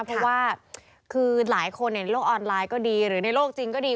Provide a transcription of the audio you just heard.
เพราะว่าคือหลายคนในโลกออนไลน์ก็ดีหรือในโลกจริงก็ดี